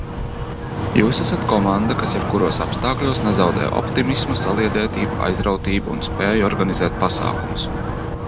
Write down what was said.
Jūs esat komanda, kas jebkuros apstākļos nezaudē optimismu, saliedētību, aizrautību un spēju organizēt pasākumus!